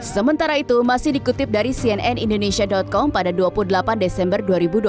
sementara itu masih dikutip dari cnn indonesia com pada dua puluh delapan desember dua ribu dua puluh